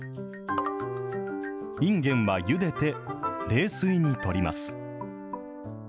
いんげんはゆでて、冷水に取ります。